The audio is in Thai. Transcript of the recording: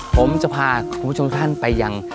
ผมจะพาคุณผู้ชมทุกท่านไปยัง